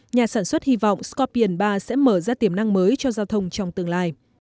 nhà sản xuất hy vọng scopion ba sẽ mở ra tiềm năng mới cho giao thông trong tương lai